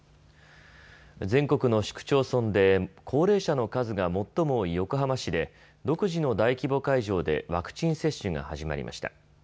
全国の市区町村で高齢者の数が最も多い横浜市で独自の大規模会場でワクチン接種が始まりました。